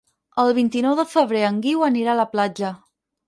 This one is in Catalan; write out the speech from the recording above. El vint-i-nou de febrer en Guiu anirà a la platja.